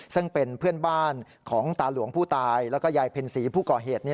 ซึ่งเป็นเพื่อนบ้านของตาหลวงผู้ตายแล้วก็ยายเพ็ญศรีผู้ก่อเหตุ